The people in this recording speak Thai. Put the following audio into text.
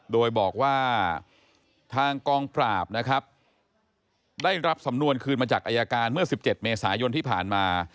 โดยบอกว่าทางกองปราบนะครับได้รับสำนวนคืนมาจากอายการเมื่อ๑๗เมษายนที่ผ่านมา